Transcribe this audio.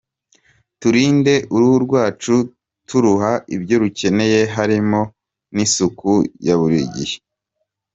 Turinde uruhu rwacu turuha ibyo rukeneye harimo n’isuku ya buri gihe.